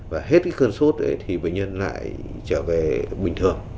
và hết cái cơn sốt thì bệnh nhân lại trở về bình thường